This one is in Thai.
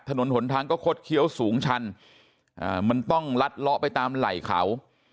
ถนนหนทางก็คดเคี้ยวสูงชันมันต้องลัดเลาะไปตามไหล่เขา